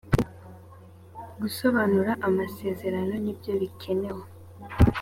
gusobanura amasezerano nibyo bikenewe.